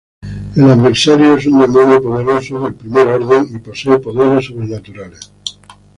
El Adversario es un demonio poderoso del primer orden y posee poderes sobrenaturales.